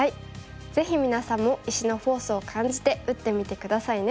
ぜひ皆さんも石のフォースを感じて打ってみて下さいね。